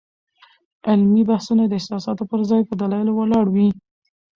علمي بحثونه د احساساتو پر ځای په دلایلو ولاړ وي.